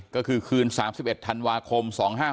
ก็คือคืน๓๑ธันวาคม๒๕๖๖